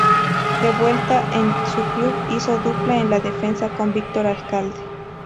De vuelta en su club hizo dupla en la defensa con Víctor Alcalde.